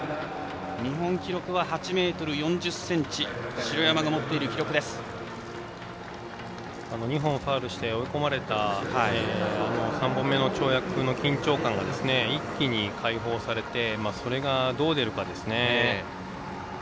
日本記録は８ｍ４０ｃｍ２本のファウルで追い込まれて３本目の跳躍で緊張感が一気に解放されてどう出るかですね。